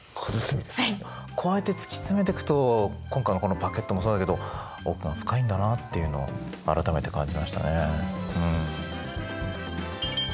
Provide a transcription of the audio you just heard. こうやって突き詰めていくと今回のこのパケットもそうだけど奥が深いんだなっていうのを改めて感じましたね。